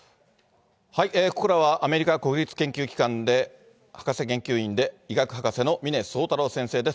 ここからはアメリカ国立研究機関で博士研究員で医学博士の峰宗太郎先生です。